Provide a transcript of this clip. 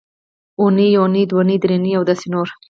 اونۍ یونۍ دونۍ درېنۍ او داسې نور